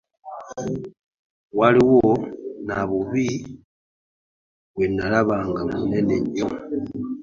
Waliwo nabbubi gwe nalaba nga munene nnyo.